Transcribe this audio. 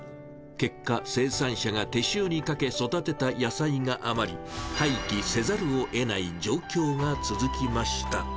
結果、生産者が手塩にかけ育てた野菜が余り、廃棄せざるをえない状況が続きました。